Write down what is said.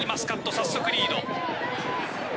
早速リード。